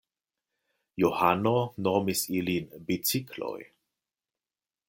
Johano nomis ilin bicikloj.